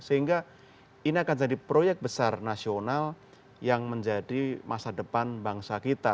sehingga ini akan jadi proyek besar nasional yang menjadi masa depan bangsa kita